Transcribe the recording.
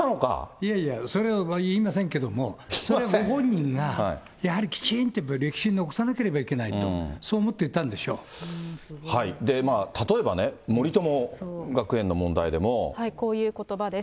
いやいや、それは言いませんけれども、それはご本人が、やはりきちんと歴史に残さなければいけないと、そう思っていたん例えばね、こういうことばです。